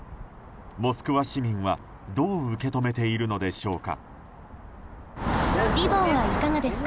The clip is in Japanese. モスクワ市民は、どう受け止めているのでしょうか。